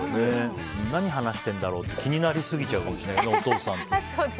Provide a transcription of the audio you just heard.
何話してんだろうって気になりすぎちゃうかもしれないね。